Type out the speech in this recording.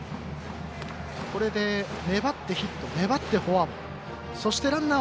これで、粘ってヒット粘ってフォアボール。